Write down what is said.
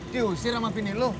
diusir sama bini lu